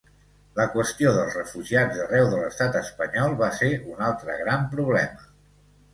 La qüestió dels refugiats d'arreu de l'Estat espanyol va ser un altre gran problema.